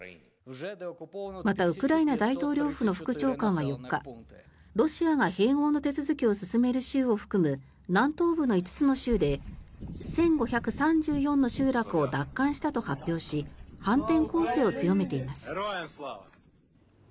また、ウクライナ大統領府の副長官は４日ロシアが併合の手続きを進める州を含む南東部の５つの州で１５３４の集落を奪還したと発表し反転攻勢を強めています。